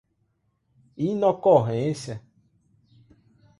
inocorrência